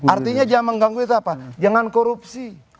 artinya jangan mengganggu itu apa jangan korupsi